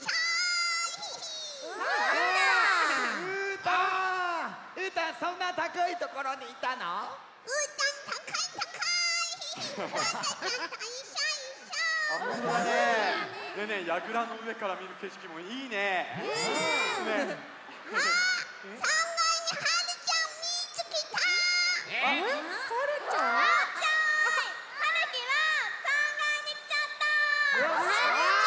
ワッショーイ！はるきは３がいにきちゃった！